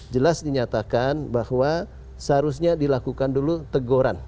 jelas dinyatakan bahwa seharusnya dilakukan dulu teguran